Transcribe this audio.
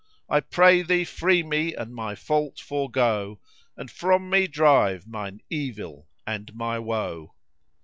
I pray thee free me and my fault forego, * And from me drive mine evil and my woe."